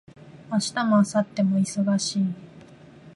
明日も明後日も忙しい